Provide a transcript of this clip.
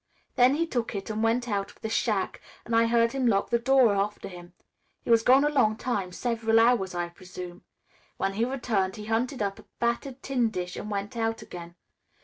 Then he took it and went out of the shack, and I heard him lock the door after him. He was gone a long time, several hours, I presume. When he returned he hunted up a battered tin dish and went out again.